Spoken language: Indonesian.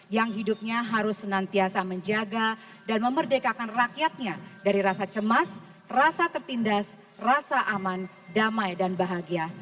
yang hidupnya harus senantiasa menjaga dan memerdekakan rakyatnya dari rasa cemas rasa tertindas rasa aman damai dan bahagia